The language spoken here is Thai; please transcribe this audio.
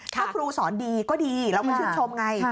ถ้าครูสอนดีก็ดีเราก็ชื่นชมไง